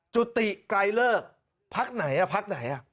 จุติไกลเลิกพักไหนพักไหน